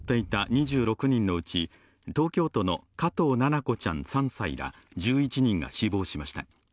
観光船「ＫＡＺＵⅠ」に乗っていた２６人のうち東京都の加藤七菜子ちゃん３歳ら１１人が死亡しました。